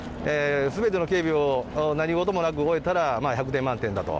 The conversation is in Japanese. すべての警備を何事もなく終えたら１００点満点だと。